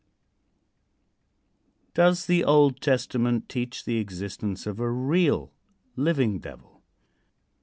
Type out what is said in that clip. Does the Old Testament teach the existence of a real, living Devil?